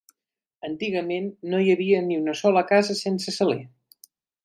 Antigament no hi havia ni una sola casa sense saler.